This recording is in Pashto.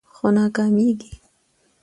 خو ناکامیږي